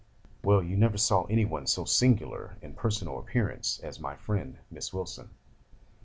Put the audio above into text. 'Well, you never saw anyone so singular in personal appearance as my friend, Miss Wilson.